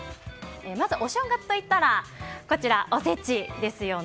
まずお正月といったらおせちですよね。